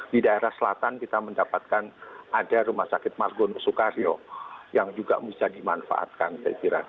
di daerah selatan kita mendapatkan ada rumah sakit margono soekario yang juga bisa dimanfaatkan saya kira